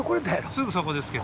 すぐそこですけど。